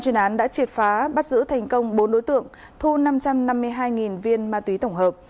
chuyên án đã triệt phá bắt giữ thành công bốn đối tượng thu năm trăm năm mươi hai viên ma túy tổng hợp